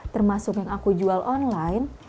termasuk yang aku jual online